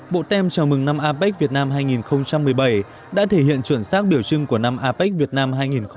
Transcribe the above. bộ tem chào mừng năm apec việt nam hai nghìn một mươi bảy đã thể hiện chuẩn xác biểu trưng của năm apec việt nam hai nghìn một mươi tám